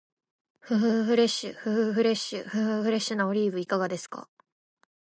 ふふふフレッシュ、ふふふフレッシュ、ふふふフレッシュなオリーブいかがですか？